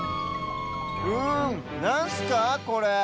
うんなんすかこれ？